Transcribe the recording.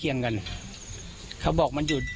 หญิงบอกว่าจะเป็นพี่ปวกหญิงบอกว่าจะเป็นพี่ปวก